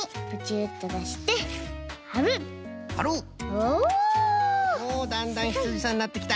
おだんだんヒツジさんになってきた。